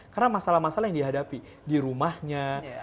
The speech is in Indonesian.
karena masalah masalah yang dihadapi di rumahnya